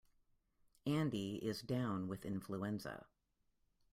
Andy is down with influenza.